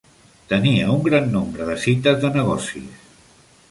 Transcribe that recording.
Tenia un gran nombre de cites de negocis.